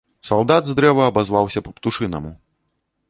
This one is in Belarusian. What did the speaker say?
Салдат з дрэва абазваўся па-птушынаму.